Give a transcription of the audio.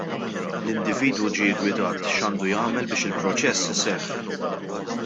L-individwu ġie ggwidat x'għandu jagħmel biex il-proċess iseħħ.